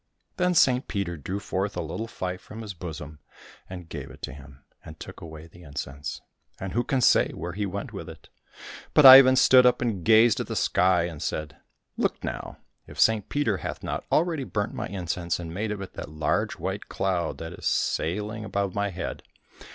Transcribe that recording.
Then St Peter drew forth a little fife from his bosom and gave it to him, and took away the incense, and who can say where he went with it ? But Ivan stood up and gazed at the sky and said, " Look now ! if St Peter hath not already burnt my incense and made of it that large white cloud that is sailing 230 SUDDENLY ST PETER APPEARED TO HIM 230 IVAN THE FOOL above my head